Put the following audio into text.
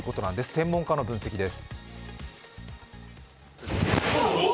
専門家の分析です。